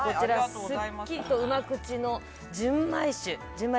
すっきりとうまくちの純米酒。